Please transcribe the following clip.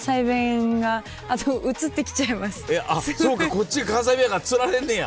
こっちが関西弁やからつられんねや。